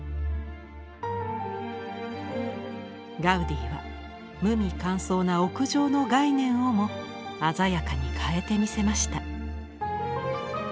ガウディは無味乾燥な屋上の概念をも鮮やかに変えてみせました。